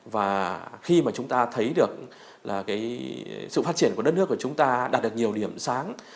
và khi mà chúng ta thấy được là sự phát triển của đất nước của chúng ta đạt được nhiều điểm sáng